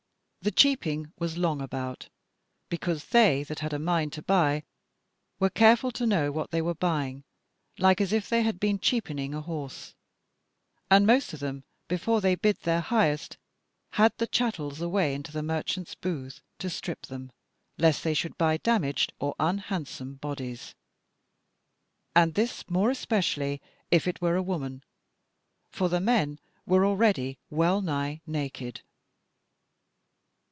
The cheaping was long about, because they that had a mind to buy were careful to know what they were buying, like as if they had been cheapening a horse, and most of them before they bid their highest had the chattels away into the merchant's booth to strip them, lest they should buy damaged or unhandsome bodies; and this more especially if it were a woman, for the men were already well nigh naked.